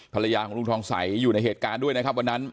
ภรรยาของลุงทองใสอยู่ในเหตุการณ์ด้วยนะครับวันนั้น